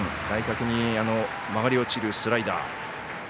外角に曲がり落ちるスライダー。